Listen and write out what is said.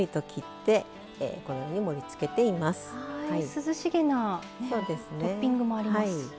涼しげなトッピングもあります。